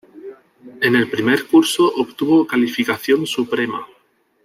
En el primer curso obtuvo calificación suprema.